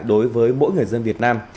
đối với mỗi người dân việt nam